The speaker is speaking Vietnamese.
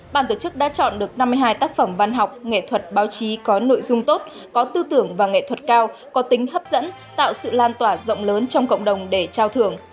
bản tổ chức đã chọn được năm mươi hai tác phẩm văn học nghệ thuật báo chí có nội dung tốt có tư tưởng và nghệ thuật cao có tính hấp dẫn tạo sự lan tỏa rộng lớn trong cộng đồng để trao thưởng